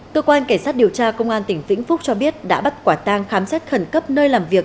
cơ quan cảnh sát điều tra công an tỉnh vĩnh phúc cho biết đã bắt quả tang khám xét khẩn cấp nơi làm việc